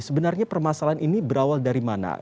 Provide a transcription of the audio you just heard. sebenarnya permasalahan ini berawal dari mana